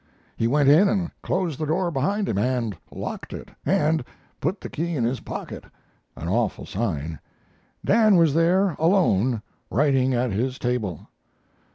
He went in and closed the door behind him, and locked it, and put the key in his pocket an awful sign. Dan was there alone, writing at his table.